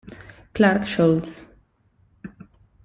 Clarke Scholes